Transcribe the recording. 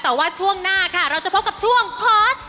แต่ว่าช่วงหน้าค่ะเราจะพบกับช่วงโค้ช